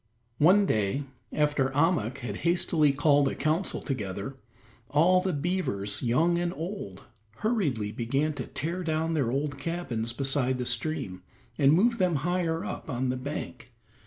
One day, after Ahmuk had hastily called a council together, all the beavers, young and old, hurriedly began to tear down their old cabins beside the stream and move them higher up on the bank.